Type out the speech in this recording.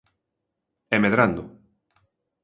E medrando.